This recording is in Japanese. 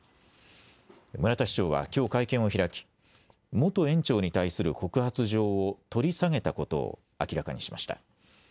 村田市長はきょう会見を開き元園長に対する告発状を取り下げたことを明らかにしました。